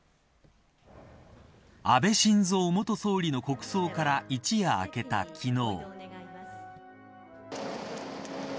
安倍晋三元総理の国葬から一夜明けた昨日。